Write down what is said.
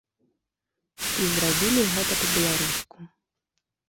І зрабілі гэта па-беларуску.